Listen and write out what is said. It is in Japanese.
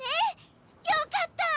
よかった！